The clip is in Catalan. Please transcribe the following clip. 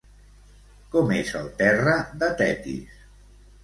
Com és el terra de Tetis?